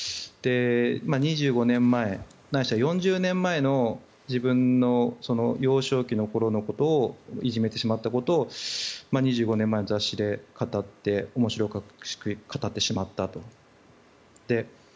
２５年前、ないしは４０年前の自分の幼少期の頃のことをいじめてしまったことを２５年前の雑誌で語って面白おかしく語ってしまったと。